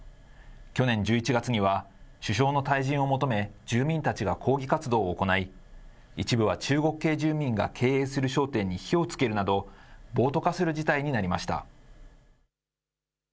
去年１１月には、首相の退陣を求め、住民たちが抗議活動を行い、一部は中国系住民が経営する商店に火をつけるなど、暴徒化する事態になりました。